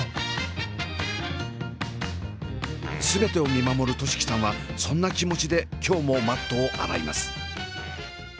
全てを見守る寿輝さんはそんな気持ちで今日もマットを洗います。